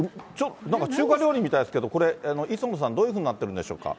なんか中華料理みたいですけど、これ、磯野さん、どういうふうになってるんでしょうか？